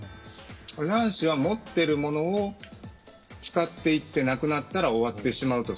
卵子は持っているものを使っていって、なくなったら終わってしまうと。